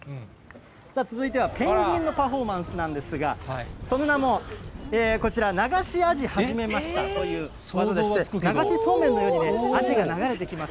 続いてはペンギンのパフォーマンスなんですが、その名も、こちら、流しアジはじめましたというものでして、流しそうめんのようにアジが流れてきます。